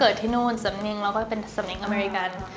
เราก็เกิดที่นู่นสำเนียงเราก็เป็นสำเนียงอเมริกัน